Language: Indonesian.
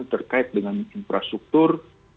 terkait dengan infrastruktur